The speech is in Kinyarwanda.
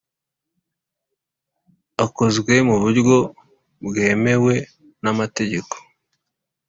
akozwe mu buryo bwemewe n amategeko